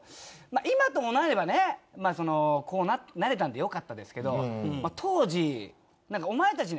今ともなればこうなれたんでよかったですけど当時。